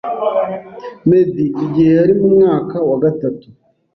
Meddy igihe yari mu mwaka wa gatatu